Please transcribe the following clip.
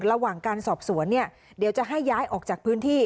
ระหว่างการสอบสวนเนี่ยเดี๋ยวจะให้ย้ายออกจากพื้นที่